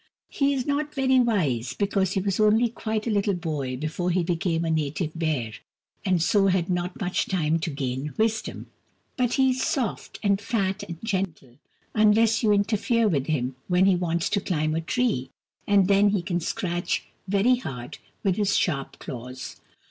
He is not very wise, because he was only quite a little boy before he became a Native Bear, and so had not much time to gain wisdom : but he is soft, and fat, and gentle, unless you interfere with him when he wants to climb a tree, and then he can scratch very hard with his sharp claws.